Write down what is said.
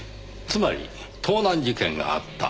つまり盗難事件があった。